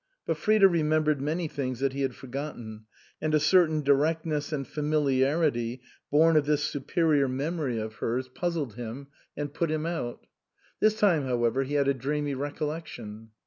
But Frida remembered many things that he had forgotten, and a certain directness and familiarity born of this superior memory of hers 155 THE COSMOPOLITAN puzzled him and put him out. This time, how ever, he had a dreamy recollection.